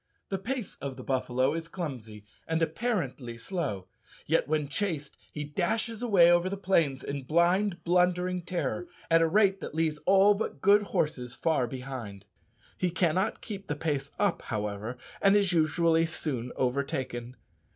The pace of the buffalo is clumsy, and apparently slow, yet, when chased, he dashes away over the plains in blind blundering terror, at a rate that leaves all but good horses far behind. He cannot keep the pace up, however, and is usually soon overtaken.